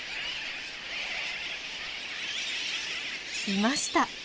いました。